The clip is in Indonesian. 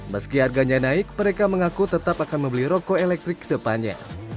meski harganya naik mereka mengaku tetap akan membeli rokok elektrik ke depannya